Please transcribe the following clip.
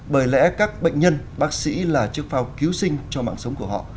bởi lẽ các bệnh nhân bác sĩ là chiếc phao cứu sinh cho mạng sống của họ